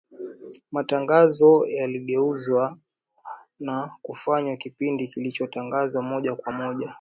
matangazo yaligeuzwa na kufanywa kipindi kilichotangazwa moja kwa moja,